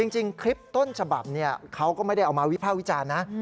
จริงคลิปต้นฉบับเขาก็ไม่ได้เอามาวิภาควิจารณ์นะ